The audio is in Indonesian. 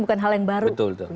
bukan hal yang baru